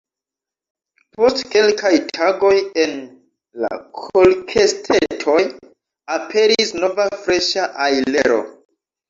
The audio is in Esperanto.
Post kelkaj tagoj en la kolkestetoj aperis nova freŝa ajlero.